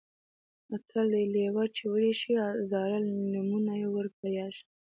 متل دی: لېوه چې وږی شي زاړه لمونه یې ور په یاد شي.